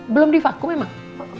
belum divakuum emang